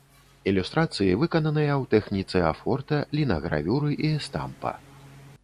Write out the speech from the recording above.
Ілюстрацыі выкананыя ў тэхніцы афорта, лінагравюры і эстампа.